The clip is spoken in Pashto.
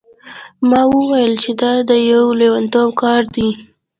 ما وویل چې دا د یو لیونتوب کار دی.